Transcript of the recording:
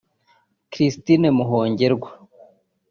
Christine Muhongerwa